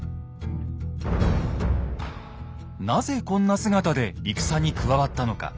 なぜこんな姿で戦に加わったのか。